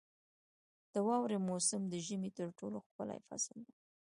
• د واورې موسم د ژمي تر ټولو ښکلی فصل دی.